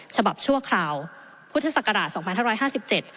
ฉบับชั่วคราวพุทธศักราช๒๕๕๗